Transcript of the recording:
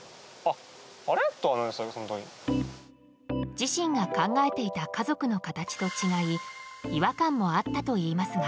自身が考えていた家族の形と違い違和感もあったといいますが。